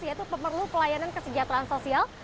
yaitu pemerlu pelayanan kesejahteraan sosial